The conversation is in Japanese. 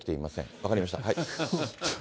分かりました。